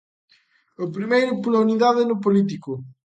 O primeiro, pola unidade no político.